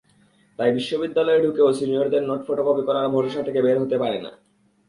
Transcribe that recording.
তাই বিশ্ববিদ্যালয়ে ঢুকেও সিনিয়রদের নোট ফটোকপি করার ভরসা থেকে বের হতে পারে না।